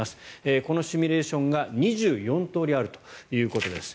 このシミュレーションが２４通りあるということです。